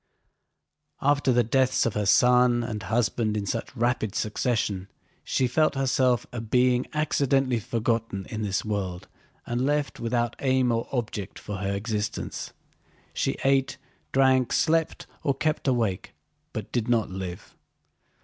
After the deaths of her son and husband in such rapid succession, she felt herself a being accidentally forgotten in this world and left without aim or object for her existence. She ate, drank, slept, or kept awake, but did not live.